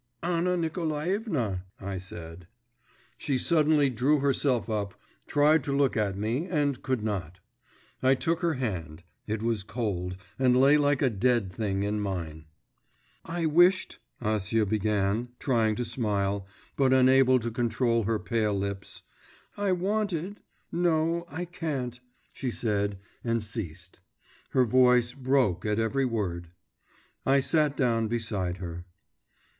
… 'Anna Nikolaevna,' I said. She suddenly drew herself up, tried to look at me, and could not. I took her hand, it was cold, and lay like a dead thing in mine. 'I wished' Acia began, trying to smile, but unable to control her pale lips; 'I wanted No, I can't,' she said, and ceased. Her voice broke at every word. I sat down beside her.